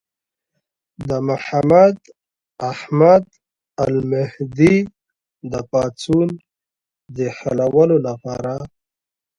د محمد احمد المهدي د پاڅون د حلولو لپاره.